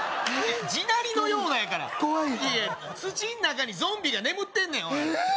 地鳴りのようなやから怖い土ん中にゾンビが眠ってんねんええ！？